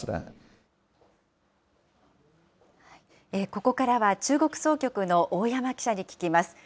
ここからは中国総局の大山記者に聞きます。